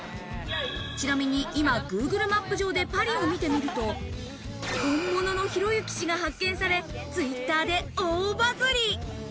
ちなみに今、Ｇｏｏｇｌｅマップ上でパリを見てみると、本物のひろゆき氏が発見され、Ｔｗｉｔｔｅｒで大バズり。